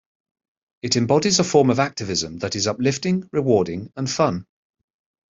It embodies a form of activism that is uplifting, rewarding and fun.